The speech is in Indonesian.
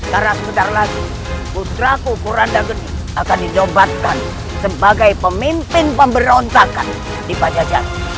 karena sebentar lagi kusuraku kuranda gedi akan didobatkan sebagai pemimpin pemberontakan di pancacaran